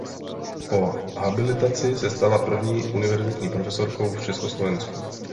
Po habilitaci se stala první univerzitní profesorkou v Československu.